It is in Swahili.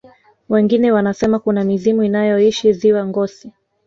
wengine wanasema kuna mizimu inayoishi ziwa ngosi